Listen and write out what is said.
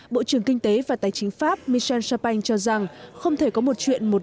bộ trưởng kinh tế và tài chính pháp michel chopin cho rằng không thể có một chuyện một